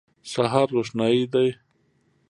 سهار روښنايي دی.